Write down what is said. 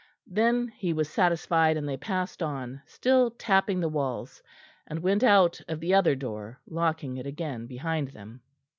Then he was satisfied and they passed on, still tapping the walls, and went out of the other door, locking it again behind them.